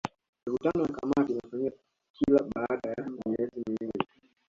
Mikutano ya kamati inafanyika kila baada ya miezi miwili